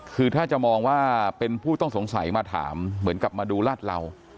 คือถ้าจะมองว่าเป็นผู้ต้องสงสัยมาถามเหมือนกับมาดูลาดเหล่า